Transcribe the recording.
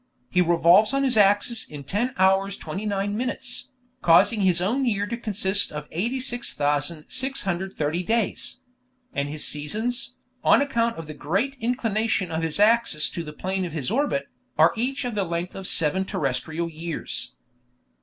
He revolves on his axis in 10 hours 29 minutes, causing his own year to consist of 86,630 days; and his seasons, on account of the great inclination of his axis to the plane of his orbit, are each of the length of seven terrestrial years.